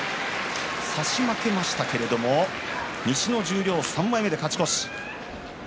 差し負けましたけれども西の十両３枚目、勝ち越し。